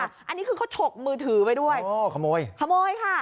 อันนี้คือเขาฉกมือถือไปด้วยอ๋อขโมยขโมยค่ะ